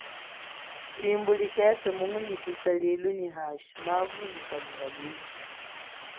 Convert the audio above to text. Shimbu likepe mungunyikisa lilu nyi hashi, mavu nyi kalunga lwiji.